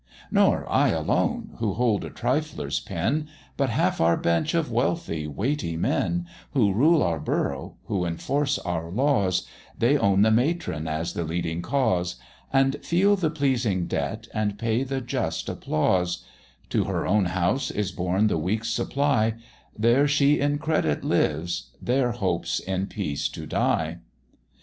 Nor I alone, who hold a trifler's pen, But half our bench of wealthy, weighty men, Who rule our Borough, who enforce our laws; They own the matron as the leading cause, And feel the pleasing debt, and pay the just applause: To her own house is borne the week's supply; There she in credit lives, there hopes in peace to die.